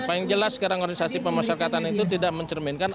paling jelas sekarang organisasi pemasyarakatan itu tidak mencerminkan